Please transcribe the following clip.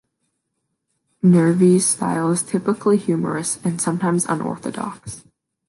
Nirvi's style is typically humorous, and sometimes unorthodox.